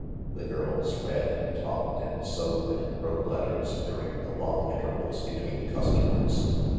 The girls read and talked and sewed and wrote letters during the long intervals between customers.